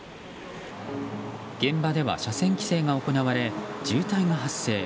現場では車線規制が行われ渋滞が発生。